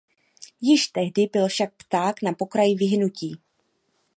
Již tehdy byl však pták na pokraji vyhynutí.